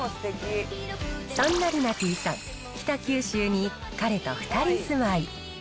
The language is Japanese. そんなりなてぃさん、北九州に彼と２人住まい。